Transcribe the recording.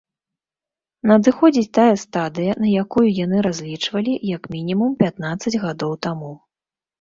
Надыходзіць тая стадыя, на якую яны разлічвалі, як мінімум, пятнаццаць гадоў таму.